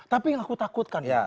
tapi yang aku takutkan